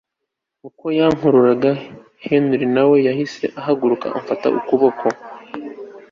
uko yankururaga Henry nawe yahise ahaguruka amfata ukuboko